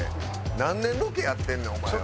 何年ロケやってんねんお前は。